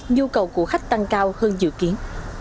nhu cầu của khách tăng cao hơn dự kiến